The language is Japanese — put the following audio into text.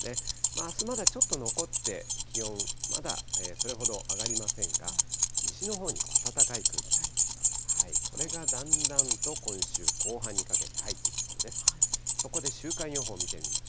あすまだ、ちょっと残って、気温、まだそれほど上がりませんが、西のほうに暖かい空気が、これがだんだんと今週後半にかけて、入ってきそうです。